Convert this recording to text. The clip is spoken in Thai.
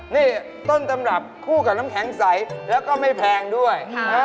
นี่ต้นตำรับคู่กับน้ำแข็งใสแล้วก็ไม่แพงด้วย